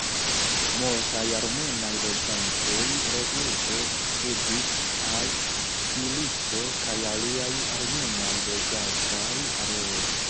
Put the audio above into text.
Multaj armenaj loĝantoj rezulte fuĝis al Tbiliso kaj aliaj armenaj loĝataj areoj.